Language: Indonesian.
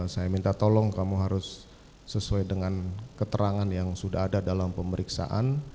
saya minta tolong kamu harus sesuai dengan keterangan yang sudah ada dalam pemeriksaan